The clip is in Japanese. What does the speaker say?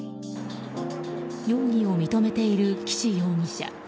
容疑を認めている岸容疑者。